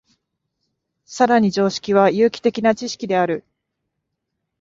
更に常識は有機的な知識である。